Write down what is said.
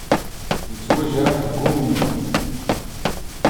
Yettwajreḥ deg umennuɣ.